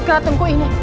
ke ratungku ini